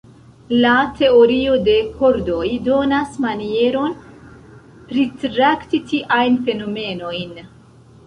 La Teorio de kordoj donas manieron pritrakti tiajn fenomenojn.